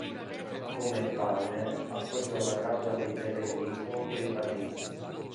Come il padre appoggiò la causa dei plebei contro i patrizi.